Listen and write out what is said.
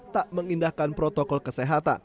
tak mengindahkan protokol kesehatan